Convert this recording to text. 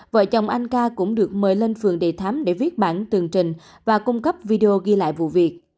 vợ chồng anh ca cũng được mời lên phường đề thám để viết bản tường trình và cung cấp video ghi lại vụ việc